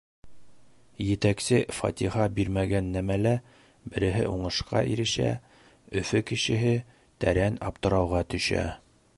Етәксе фатиха бирмәгән нәмәлә береһе уңышҡа ирешһә, Өфө кешеһе тәрән аптырауға төшә.